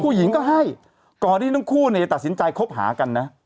ผู้หญิงก็ให้ก่อนที่ทั้งคู่เนี่ยจะตัดสินใจคบหากันนะ